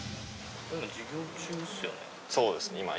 そうですね。